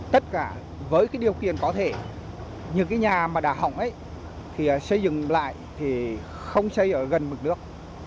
tất cả với điều kiện có thể những nhà đà hỏng xây dựng lại không xây ở gần mực nước